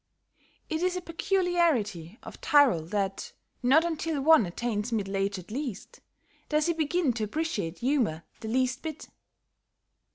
It is a peculiarity of Tyrol that, not until one attains middle age at least, does he begin to appreciate humor the least bit.